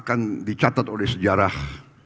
kan dicatat oleh sejarah